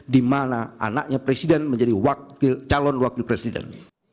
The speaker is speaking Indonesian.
dimana anaknya presiden menjadi calon wakil presiden